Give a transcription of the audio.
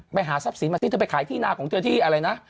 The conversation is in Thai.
ไปหาทรัพย์สินมาสิเธอไปขายที่นาของเธอที่อะไรนะ